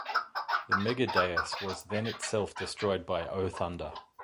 The megadeus was then itself destroyed by O Thunder.